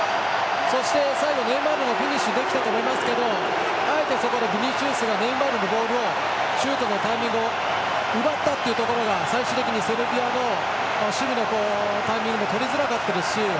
そして、最後、ネイマールもフィニッシュをできたと思いますけどあえて、そこでビニシウスがネイマールのボールをシュートのタイミングを奪ったっていうところが最終的にはセルビアの守備のタイミングを取りづらかったですし